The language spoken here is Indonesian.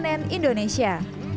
tim liputan cnn indonesia